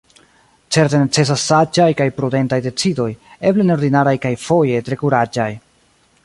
Certe necesas saĝaj kaj prudentaj decidoj, eble neordinaraj kaj foje tre kuraĝaj.